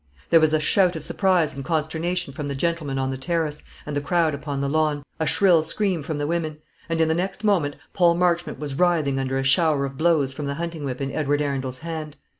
There was a shout of surprise and consternation from the gentlemen on the terrace and the crowd upon the lawn, a shrill scream from the women; and in the next moment Paul Marchmont was writhing under a shower of blows from the hunting whip in Edward Arundel's hand.